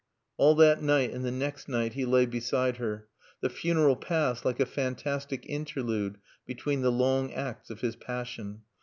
All that night and the next night he lay beside her. The funeral passed like a fantastic interlude between the long acts of his passion.